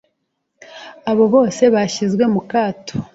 Abo bose bashyizwe mu kato